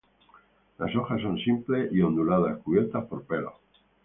Las hojas son simples u onduladas cubierta por pelos.